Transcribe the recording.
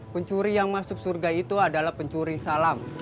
pencuri yang masuk surga itu adalah pencuri salam